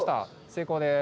成功です。